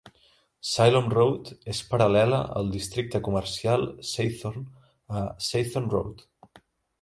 Silom Road és paral·lela al districte comercial Sathorn a Sathon Road.